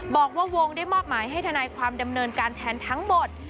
บอกว่าวงได้มอบหมายให้ทนายความดำเนินการแทนทั้งหมด